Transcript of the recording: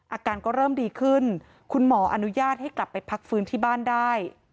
อาการก็เริ่มดีขึ้นคุณหมออนุญาตให้กลับไปพักฟื้นที่บ้านได้